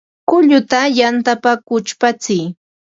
Kulluta yantapa kuchpatsiy